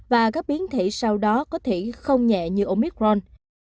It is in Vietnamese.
và các biến thể sau đó có thể không nhẹ như omicron